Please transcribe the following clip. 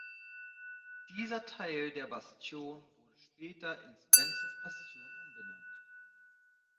Dieser Teil der Bastion wurde später in „Spencer‘s Bastion“ umbenannt.